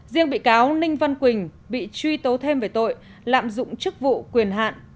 riêng bị cáo ninh văn quỳnh bị truy tố thêm về tội lạm dụng chức vụ quyền hạn